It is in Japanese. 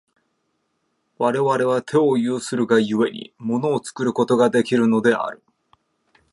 我々は手を有するが故に、物を作ることができるのである。